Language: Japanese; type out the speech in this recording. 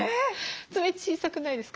爪小さくないですか？